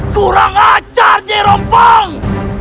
kurang ajar nyai rompang